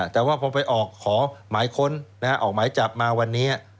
แต่ว่าพอไปออกขอหมายค้นออกหมายจับมาวันนี้